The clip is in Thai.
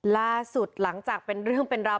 ล่าสุดหลังจากเป็นเรื่องเป็นราว